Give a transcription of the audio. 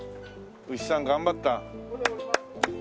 牛さん頑張った。